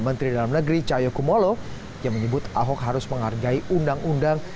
menteri dalam negeri cahyokumolo yang menyebut ahok harus menghargai undang undang